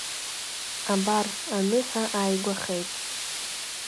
Абар, аныҳәа ааигәахеит.